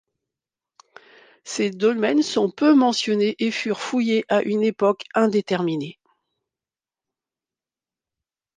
Ces dolmens sont peu mentionnés et furent fouillés à une époque indéterminée.